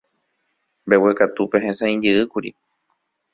Mbeguekatúpe hesãijeýkuri.